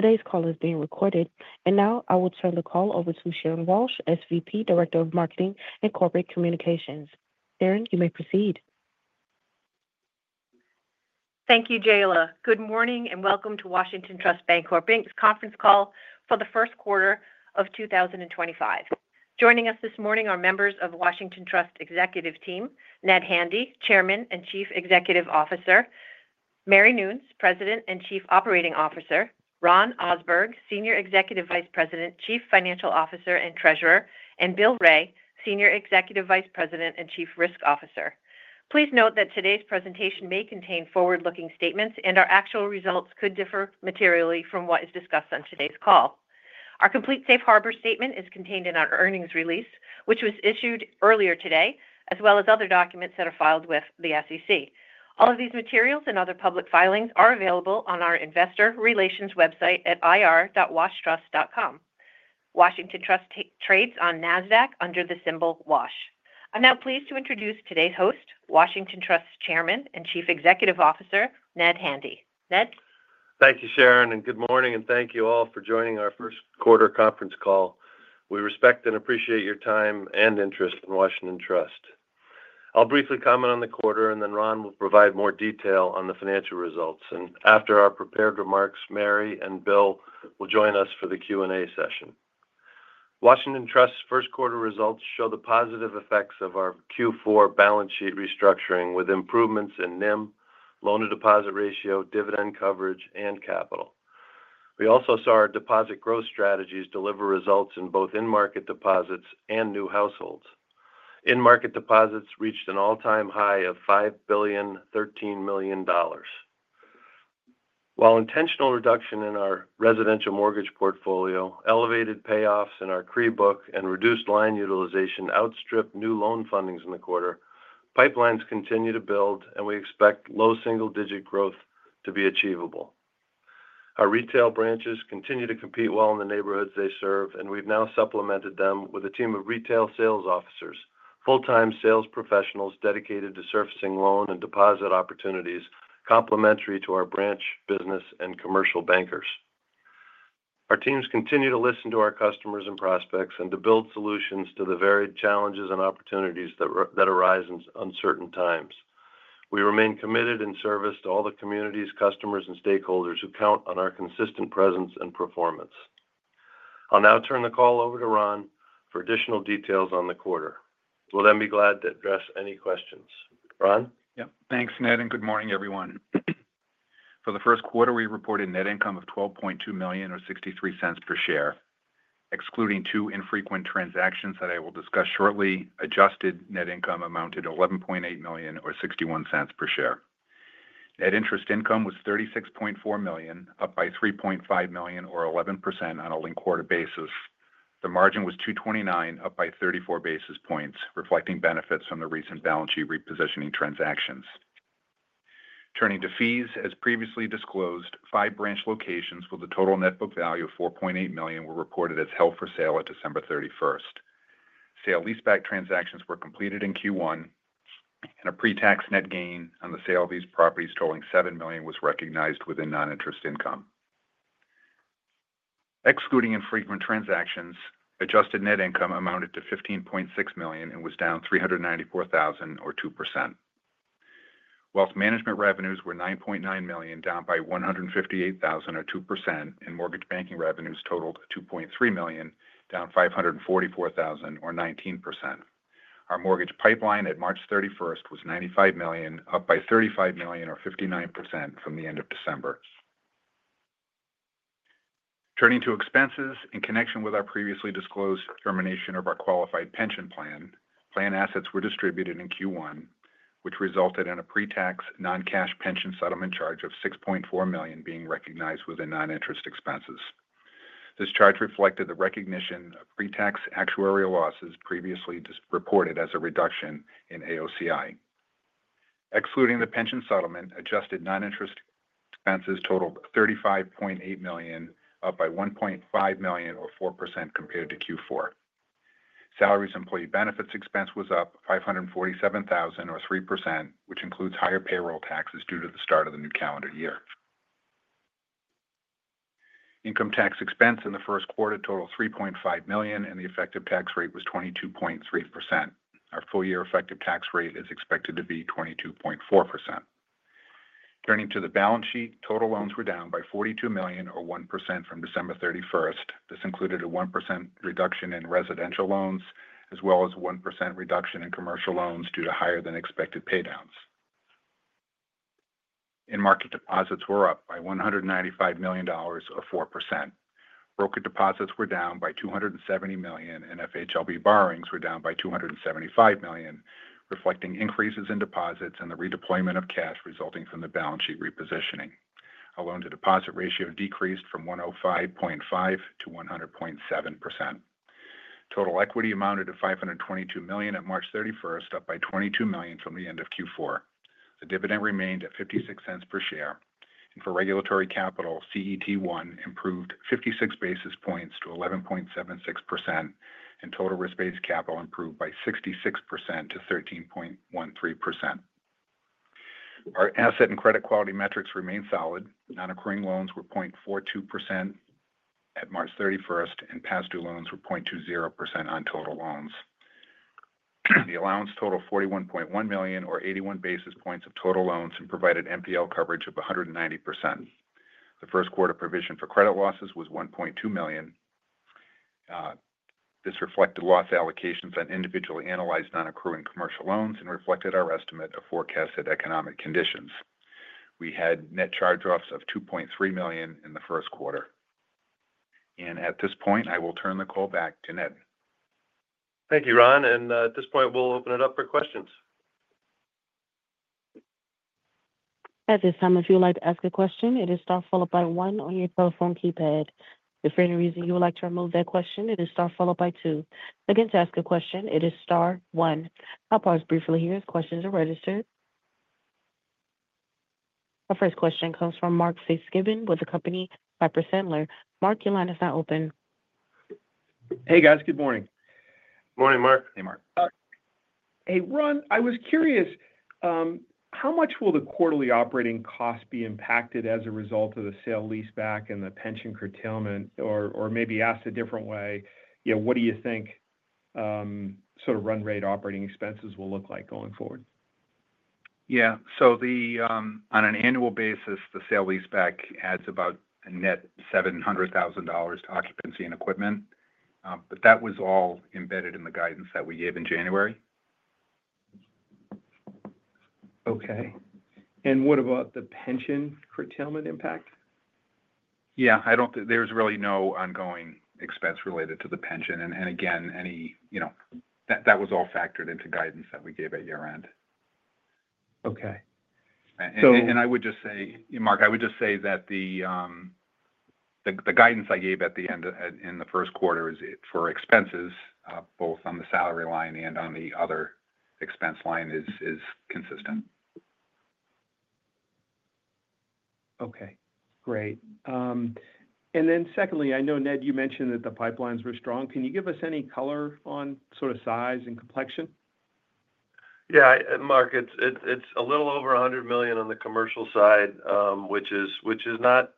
Today's call is being recorded, and now I will turn the call over to Sharon Walsh, SVP, Director of Marketing and Corporate Communications. Sharon, you may proceed. Thank you, Jayla. Good morning and welcome to Washington Trust Bancorp's conference call for the Q1 of 2025. Joining us this morning are members of Washington Trust Executive Team, Ned Handy, Chairman and Chief Executive Officer; Mary Noons, President and Chief Operating Officer; Ron Ohsberg, Senior Executive Vice President, Chief Financial Officer and Treasurer; and Bill Wray, Senior Executive Vice President and Chief Risk Officer. Please note that today's presentation may contain forward-looking statements, and our actual results could differ materially from what is discussed on today's call. Our complete Safe Harbor Statement is contained in our earnings release, which was issued earlier today, as well as other documents that are filed with the SEC. All of these materials and other public filings are available on our investor relations website at ir.washtrust.com. Washington Trust trades on Nasdaq under the symbol WASH. I'm now pleased to introduce today's host, Washington Trust Chairman and Chief Executive Officer, Ned Handy. Ned. Thank you, Sharon, and good morning, and thank you all for joining our Q1 conference call. We respect and appreciate your time and interest in Washington Trust. I'll briefly comment on the quarter, then Ron will provide more detail on the financial results. After our prepared remarks, Mary and Bill will join us for the Q&A session. Washington Trust's Q1 results show the positive effects of our Q4 balance sheet restructuring, with improvements in NIM, loan-to-deposit ratio, dividend coverage, and capital. We also saw our deposit growth strategies deliver results in both in-market deposits and new households. In-market deposits reached an all-time high of $5,013,000,000. While intentional reduction in our residential mortgage portfolio, elevated payoffs in our CRE book and reduced line utilization outstripped new loan fundings in the quarter, pipelines continue to build, and we expect low single-digit growth to be achievable. Our retail branches continue to compete well in the neighborhoods they serve, and we've now supplemented them with a team of retail sales officers, full-time sales professionals dedicated to surfacing loan and deposit opportunities complementary to our branch business and commercial bankers. Our teams continue to listen to our customers and prospects and to build solutions to the varied challenges and opportunities that arise in uncertain times. We remain committed in service to all the communities, customers, and stakeholders who count on our consistent presence and performance. I'll now turn the call over to Ron for additional details on the quarter. We'll then be glad to address any questions. Ron? Yep. Thanks, Ned, and good morning, everyone. For the Q1, we reported net income of $12.2 million, or $0.63 per share. Excluding two infrequent transactions that I will discuss shortly, adjusted net income amounted to $11.8 million, or $0.61 per share. Net interest income was $36.4 million, up by $3.5 million, or 11% on a linked quarter basis. The margin was 2.29%, up by 34 basis points, reflecting benefits from the recent balance sheet repositioning transactions. Turning to fees, as previously disclosed, five branch locations with a total net book value of $4.8 million were reported as held for sale on 31 December 2024. Sale-leaseback transactions were completed in Q1, and a pre-tax net gain on the sale of these properties totaling $7 million was recognized within non-interest income. Excluding infrequent transactions, adjusted net income amounted to $15.6 million and was down $394,000, or 2%. Wealth management revenues were $9.9 million, down by $158,000, or 2%, and mortgage banking revenues totaled $2.3 million, down $544,000, or 19%. Our mortgage pipeline at 31 March 2025 was $95 million, up by $35 million, or 59% from the end of December. Turning to expenses, in connection with our previously disclosed termination of our qualified pension plan, plan assets were distributed in Q1, which resulted in a pre-tax non-cash pension settlement charge of $6.4 million being recognized within non-interest expenses. This charge reflected the recognition of pre-tax actuarial losses previously reported as a reduction in AOCI. Excluding the pension settlement, adjusted non-interest expenses totaled $35.8 million, up by $1.5 million, or 4% compared to Q4. Salaries and employee benefits expense was up $547,000, or 3%, which includes higher payroll taxes due to the start of the new calendar year. Income tax expense in the Q1 totaled $3.5 million, and the effective tax rate was 22.3%. Our full-year effective tax rate is expected to be 22.4%. Turning to the balance sheet, total loans were down by $42 million, or 1% from 31 December 2024. This included a 1% reduction in residential loans, as well as a 1% reduction in commercial loans due to higher-than-expected paydowns. In-market deposits were up by $195 million, or 4%. Brokered deposits were down by $270 million, and FHLB borrowings were down by $275 million, reflecting increases in deposits and the redeployment of cash resulting from the balance sheet repositioning. Our loan-to-deposit ratio decreased from 105.5% to 100.7%. Total equity amounted to $522 million at 31 March 2025, up by $22 million from the end of Q4. The dividend remained at $0.56 per share. For regulatory capital, CET1 improved 56 basis points to 11.76%, and total risk-based capital improved by 66 basis points to 13.13%. Our asset and credit quality metrics remained solid. Non-accrual loans were 0.42% at 31 March 2025, and past-due loans were 0.20% on total loans. The allowance totaled $41.1 million, or 81 basis points of total loans, and provided NPL coverage of 190%. The Q1 provision for credit losses was $1.2 million. This reflected loss allocations on individually analyzed non-accrual commercial loans and reflected our estimate of forecasted economic conditions. We had net charge-offs of $2.3 million in the Q1. At this point, I will turn the call back to Ned. Thank you, Ron. At this point, we'll open it up for questions. At this time, if you would like to ask a question, it is star followed by one on your telephone keypad. If for any reason you would like to remove that question, it is star followed by two. Again, to ask a question, it is star one. I'll pause briefly here as questions are registered. Our first question comes from Mark Fitzgibbon with the company Piper Sandler. Mark, your line is now open. Hey, guys. Good morning. Morning, Mark. Hey, Mark. Hey, Ron. I was curious, how much will the quarterly operating cost be impacted as a result of the sale-leaseback and the pension curtailment, or maybe asked a different way, what do you think sort of run rate operating expenses will look like going forward? Yeah. On an annual basis, the sale-leaseback adds about a net $700,000 to occupancy and equipment, but that was all embedded in the guidance that we gave in January. Okay. What about the pension curtailment impact? Yeah. There's really no ongoing expense related to the pension. Again, that was all factored into guidance that we gave at year-end. Okay. I would just say, Mark, I would just say that the guidance I gave at the end in the Q1 for expenses, both on the salary line and on the other expense line, is consistent. Okay. Great. Secondly, I know, Ned, you mentioned that the pipelines were strong. Can you give us any color on sort of size and complexion? Yeah. Mark, it's a little over $100 million on the commercial side, which is not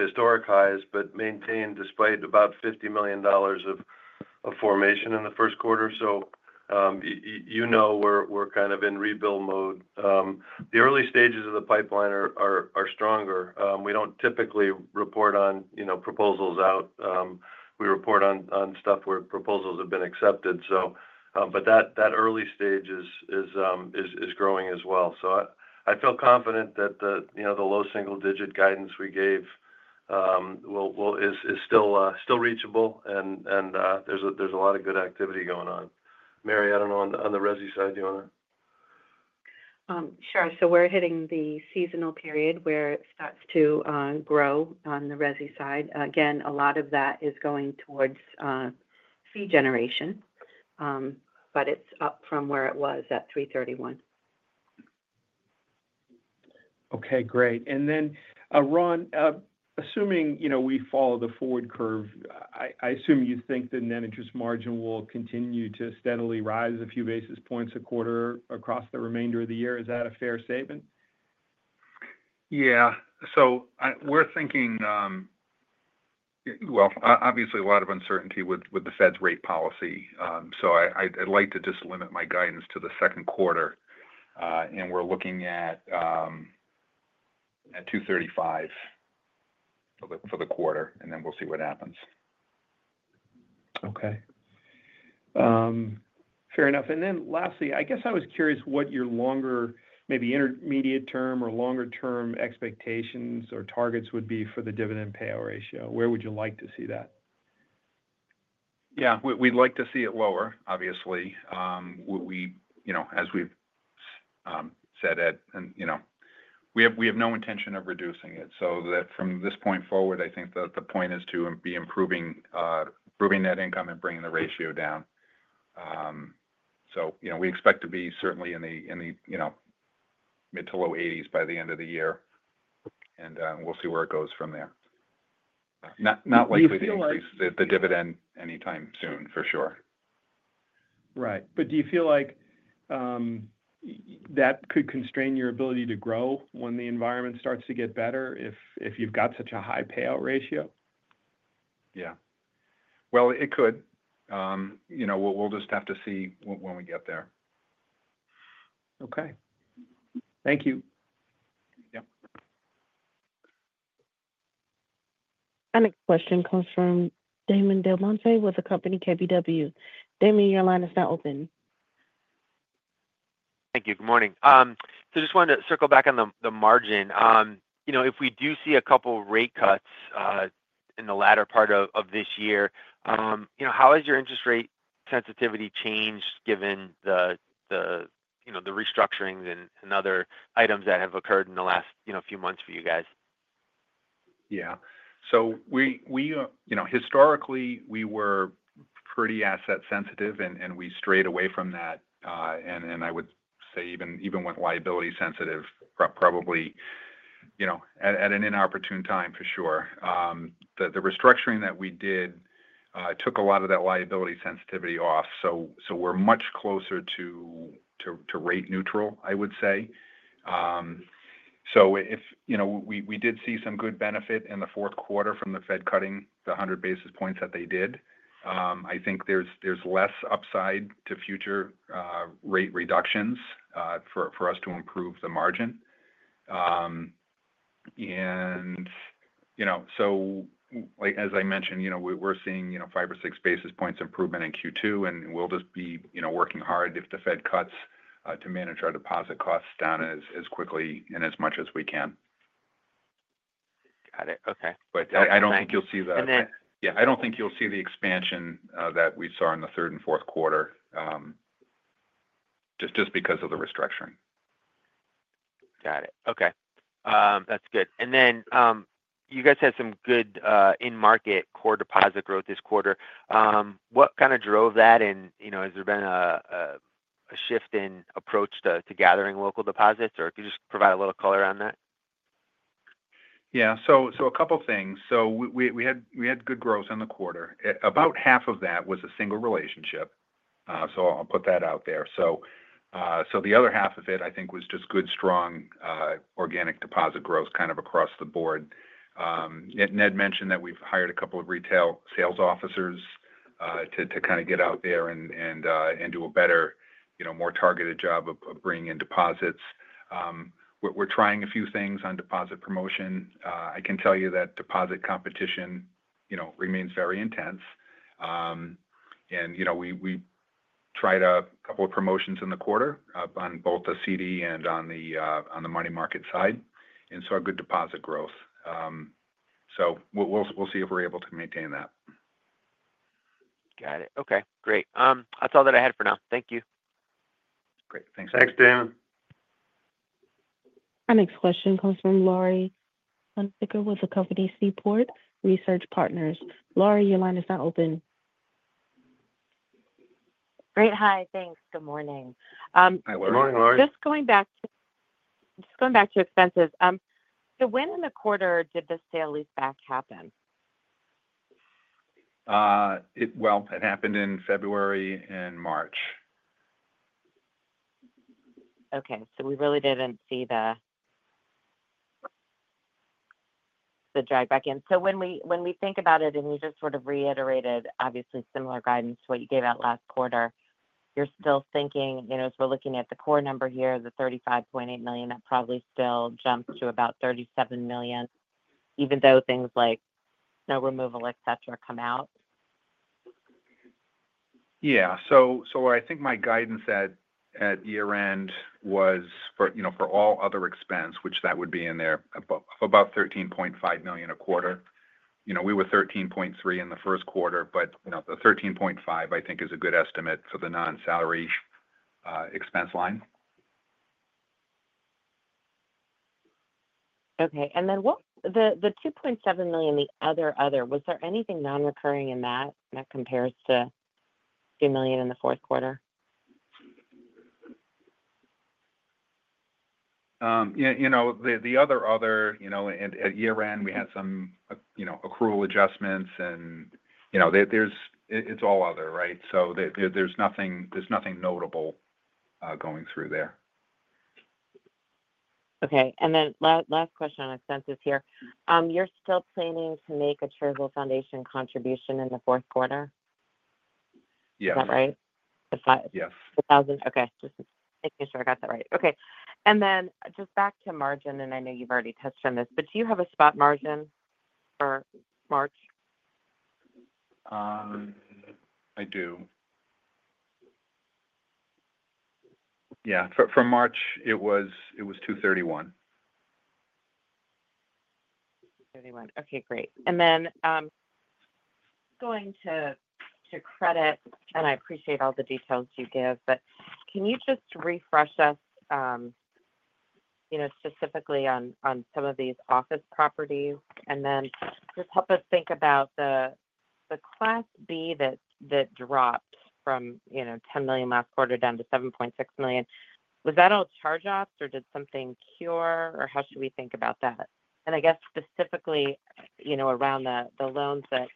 historic highs but maintained despite about $50 million of formation in the Q1. You know we're kind of in rebuild mode. The early stages of the pipeline are stronger. We don't typically report on proposals out. We report on stuff where proposals have been accepted. That early stage is growing as well. I feel confident that the low single-digit guidance we gave is still reachable, and there's a lot of good activity going on. Mary, I don't know, on the resi side, do you want to? Sure. We are hitting the seasonal period where it starts to grow on the resi side. Again, a lot of that is going towards fee generation, but it is up from where it was at 31 March 2025. Okay. Great. Ron, assuming we follow the forward curve, I assume you think the net interest margin will continue to steadily rise a few basis points a quarter across the remainder of the year. Is that a fair statement? Yeah. So we're thinking, obviously, a lot of uncertainty with the Fed's rate policy. I'd like to just limit my guidance to the Q2, and we're looking at 2.35% for the quarter, and then we'll see what happens. Okay. Fair enough. Lastly, I guess I was curious what your longer, maybe intermediate-term or longer-term expectations or targets would be for the dividend payout ratio. Where would you like to see that? Yeah. We'd like to see it lower, obviously. As we've said, we have no intention of reducing it. From this point forward, I think the point is to be improving net income and bringing the ratio down. We expect to be certainly in the mid to low 80% by the end of the year, and we'll see where it goes from there. Not likely to increase the dividend anytime soon, for sure. Right. Do you feel like that could constrain your ability to grow when the environment starts to get better if you've got such a high payout ratio? Yeah. It could. We'll just have to see when we get there. Okay. Thank you. Yep. The next question comes from Damon DelMonte with the company KBW. Damon, your line is now open. Thank you. Good morning. I just wanted to circle back on the margin. If we do see a couple of rate cuts in the latter part of this year, how has your interest rate sensitivity changed given the restructurings and other items that have occurred in the last few months for you guys? Yeah. Historically, we were pretty asset-sensitive, and we strayed away from that. I would say even with liability-sensitive, probably at an inopportune time, for sure. The restructuring that we did took a lot of that liability sensitivity off. We are much closer to rate neutral, I would say. We did see some good benefit in the Q4 from the Fed cutting the 100 basis points that they did. I think there is less upside to future rate reductions for us to improve the margin. As I mentioned, we are seeing five or six basis points improvement in Q2, and we will just be working hard if the Fed cuts to manage our deposit costs down as quickly and as much as we can. Got it. Okay. I don't think you'll see the. And then. Yeah. I don't think you'll see the expansion that we saw in the Q3 and Q4 just because of the restructuring. Got it. Okay. That's good. You guys had some good in-market core deposit growth this quarter. What kind of drove that? Has there been a shift in approach to gathering local deposits, or if you could just provide a little color on that? Yeah. A couple of things. We had good growth in the quarter. About half of that was a single relationship, so I'll put that out there. The other half of it, I think, was just good, strong organic deposit growth kind of across the board. Ned mentioned that we've hired a couple of retail sales officers to kind of get out there and do a better, more targeted job of bringing in deposits. We're trying a few things on deposit promotion. I can tell you that deposit competition remains very intense. We tried a couple of promotions in the quarter on both the CD and on the money market side. Good deposit growth. We'll see if we're able to maintain that. Got it. Okay. Great. That's all that I had for now. Thank you. Great. Thanks. Thanks, Damon. Our next question comes from Laurie Hunsicker with Seaport Research Partners. Laurie, your line is now open. Great. Hi. Thanks. Good morning. Hi. Good morning, Laurie. Just going back to expenses, when in the quarter did the sale-leaseback happen? It happened in February and March. Okay. We really did not see the drag back in. When we think about it, and you just sort of reiterated, obviously, similar guidance to what you gave out last quarter, you are still thinking, as we are looking at the core number here, the $35.8 million, that probably still jumps to about $37 million, even though things like snow removal, etc., come out. Yeah. I think my guidance at year-end was for all other expense, which that would be in there, of about $13.5 million a quarter. We were $13.3 million in the Q1, but the $13.5 million, I think, is a good estimate for the non-salary expense line. Okay. The $2.7 million, the other other, was there anything non-recurring in that that compares to $2 million in the Q4? The other, at year-end, we had some accrual adjustments, and it's all other, right? So there's nothing notable going through there. Okay. And then last question on expenses here. You're still planning to make a charitable foundation contribution in the Q4? Yes. Is that right? Yes. Okay. Just making sure I got that right. Okay. And then just back to margin, and I know you've already touched on this, but do you have a spot margin for March? I do. Yeah. For March, it was 2.31%. 2.31%. Okay. Great. Going to credit, and I appreciate all the details you give, but can you just refresh us specifically on some of these office properties? Just help us think about the Class B that dropped from $10 million last quarter down to $7.6 million. Was that all charge-offs, or did something cure, or how should we think about that? I guess specifically around the loans that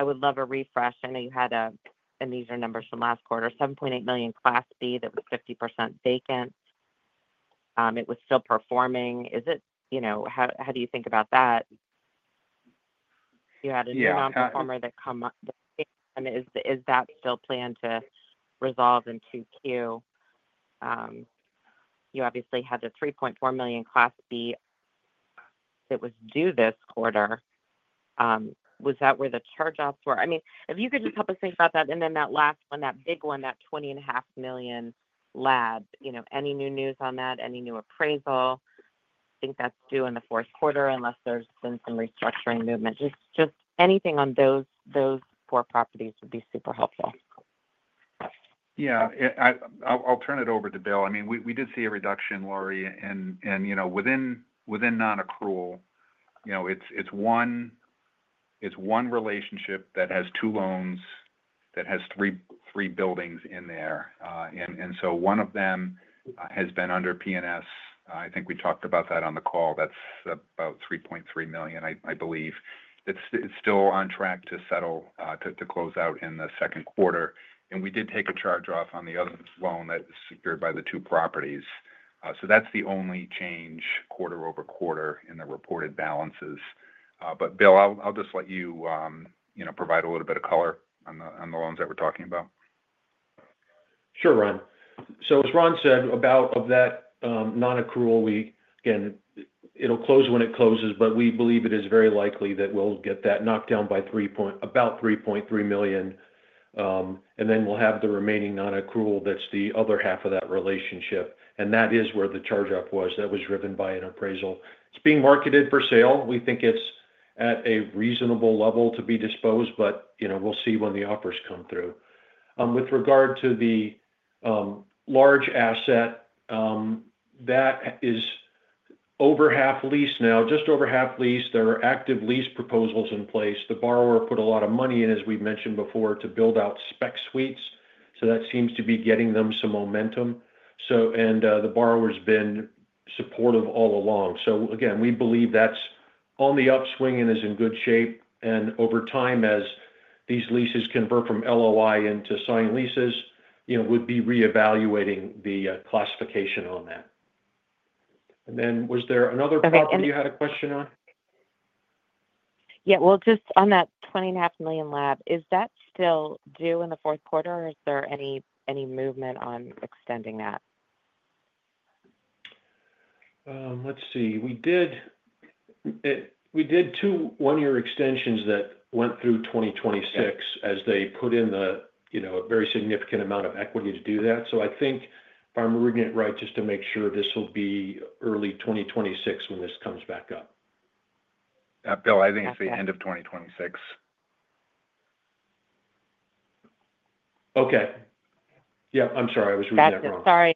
I would love a refresh. I know you had a—and these are numbers from last quarter—$7.8 million Class B that was 50% vacant. It was still performing. How do you think about that? You had a new non-performer that came in. Is that still planned to resolve in Q2? You obviously had the $3.4 million Class B that was due this quarter. Was that where the charge-offs were? I mean, if you could just help us think about that. Then that last one, that big one, that $20.5 million lab, any new news on that? Any new appraisal? I think that's due in the Q4 unless there's been some restructuring movement. Just anything on those four properties would be super helpful. Yeah. I'll turn it over to Bill. I mean, we did see a reduction, Laurie. And within non-accrual, it's one relationship that has two loans that has three buildings in there. One of them has been under P&S. I think we talked about that on the call. That's about $3.3 million, I believe. It's still on track to settle, to close out in the Q2. We did take a charge-off on the other loan that is secured by the two properties. That's the only change quarter-over-quarter in the reported balances. Bill, I'll just let you provide a little bit of color on the loans that we're talking about. Sure, Ron. As Ron said about that non-accrual, again, it'll close when it closes, but we believe it is very likely that we'll get that knocked down by about $3.3 million. Then we'll have the remaining non-accrual that's the other half of that relationship. That is where the charge-off was that was driven by an appraisal. It's being marketed for sale. We think it's at a reasonable level to be disposed, but we'll see when the offers come through. With regard to the large asset, that is over half leased now, just over half leased. There are active lease proposals in place. The borrower put a lot of money in, as we mentioned before, to build out spec suites. That seems to be getting them some momentum. The borrower's been supportive all along. We believe that's on the upswing and is in good shape. Over time, as these leases convert from LOI into signed leases, we'd be reevaluating the classification on that. Was there another part that you had a question on? Yeah. Just on that $20.5 million lab, is that still due in the Q4, or is there any movement on extending that? Let's see. We did two one-year extensions that went through 2026 as they put in a very significant amount of equity to do that. I think, if I'm reading it right, just to make sure, this will be early 2026 when this comes back up. Bill, I think it's the end of 2026. Okay. Yep. I'm sorry. I was reading that wrong. Sorry.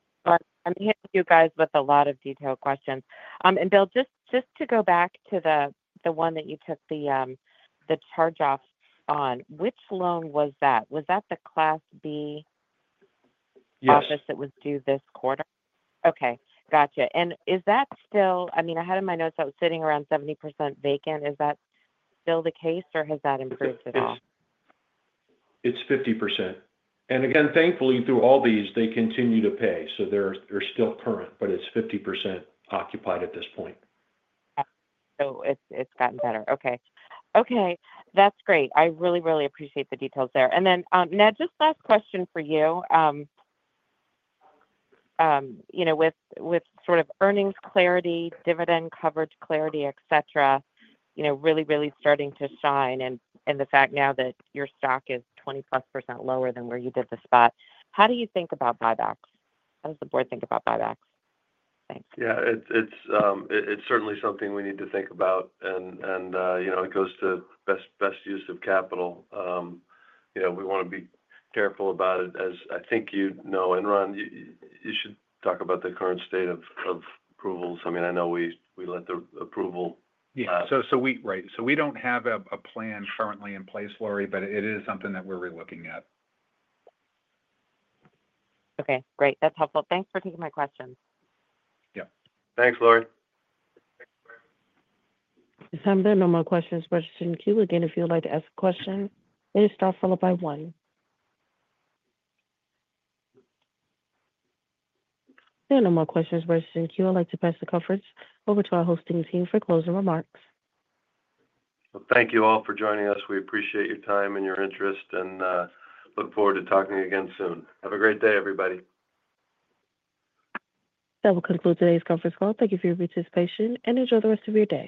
I'm hitting you guys with a lot of detailed questions. Bill, just to go back to the one that you took the charge-off on, which loan was that? Was that the Class B office that was due this quarter? Yes. Okay. Gotcha. Is that still—I mean, I had in my notes that it was sitting around 70% vacant. Is that still the case, or has that improved at all? It's 50%. Again, thankfully, through all these, they continue to pay. They're still current, but it's 50% occupied at this point. It's gotten better. Okay. Okay. That's great. I really, really appreciate the details there. Ned, just last question for you. With sort of earnings clarity, dividend coverage clarity, etc., really, really starting to shine in the fact now that your stock is 20%+ lower than where you did the spot. How do you think about buybacks? How does the board think about buybacks? Thanks. Yeah. It's certainly something we need to think about. It goes to best use of capital. We want to be careful about it. As I think you know, and Ron, you should talk about the current state of approvals. I mean, I know we let the approval. Yeah. We don't have a plan currently in place, Laurie, but it is something that we're looking at. Okay. Great. That's helpful. Thanks for taking my questions. Yeah. Thanks, Laurie. If I'm done, no more questions for us in queue. Again, if you'd like to ask a question, please star followed by one. There are no more questions for us in queue. I'd like to pass the conference over to our hosting team for closing remarks. Thank you all for joining us. We appreciate your time and your interest, and look forward to talking again soon. Have a great day, everybody. That will conclude today's conference call. Thank you for your participation, and enjoy the rest of your day.